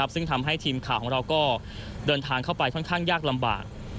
ซึ่งทำให้ทีมข่าวของเราก็เดินทางเข้าไปค่อนข้างยากลำบาก